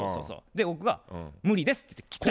で僕が「無理です」って言って切った。